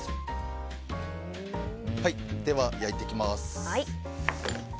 では焼いていきます。